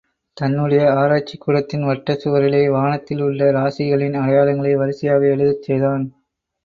தன்னுடைய ஆராய்ச்சிக் கூடத்தின் வட்டச் சுவரிலே, வானத்தில் உள்ள இராசிகளின் அடையாளங்களை வரிசையாக எழுதச் செய்தான்.